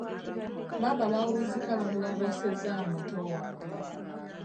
Maama baawunzika bamulongoosezzaamu muto wange.